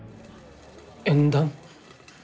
縁談？